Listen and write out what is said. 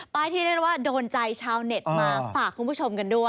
ที่เรียกได้ว่าโดนใจชาวเน็ตมาฝากคุณผู้ชมกันด้วย